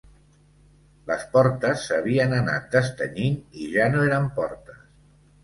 Les portes s'havien anat destenyint i ja no eren portes